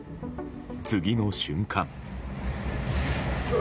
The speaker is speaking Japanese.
次の瞬間。